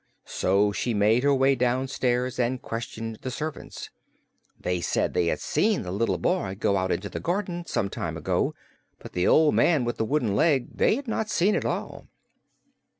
So she made her way downstairs and questioned the servants. They said they had seen the little boy go out into the garden, some time ago, but the old man with the wooden leg they had not seen at all.